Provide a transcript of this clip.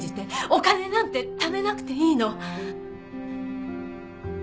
お金なんてためなくていいの。